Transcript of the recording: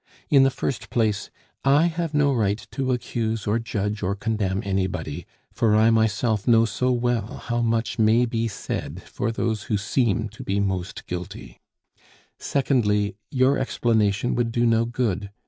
In the first place, I have no right to accuse or judge or condemn anybody, for I myself know so well how much may be said for those who seem to be most guilty; secondly, your explanation would do no good.